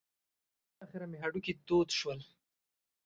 بالاخره مې هډوکي تود شول.